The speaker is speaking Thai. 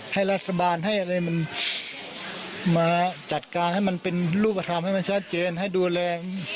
ให้รัฐบาลให้อะไรมันมาจัดการให้มันเป็นรูปธรรมให้มันชัดเจนให้ดูแล